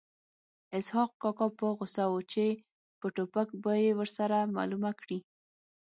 اسحق کاکا په غوسه و چې په ټوپک به یې ورسره معلومه کړي